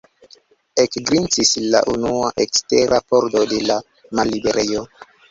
Ekgrincis la unua ekstera pordo de la malliberejo.